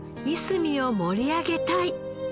いすみを盛り上げたい。